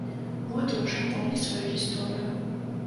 Мой дружа, помні сваю гісторыю.